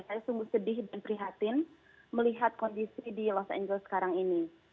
saya sungguh sedih dan prihatin melihat kondisi di los angeles sekarang ini